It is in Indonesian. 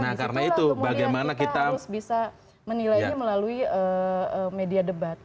nah karena itu bagaimana kita harus bisa menilainya melalui media debat